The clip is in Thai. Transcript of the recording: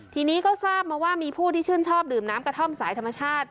ทีนี้ก็ทราบมาว่ามีผู้ที่ชื่นชอบดื่มน้ำกระท่อมสายธรรมชาติ